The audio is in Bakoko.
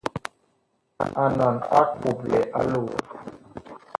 Anɔn ag nga puple a loo.